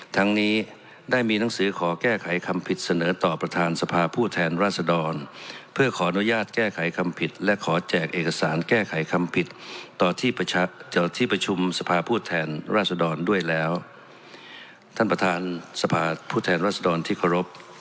ทางนี้ได้มีหนังสือขอแก้ไขคำผิดเสนอต่อประธานสภาผู้แทนราศดร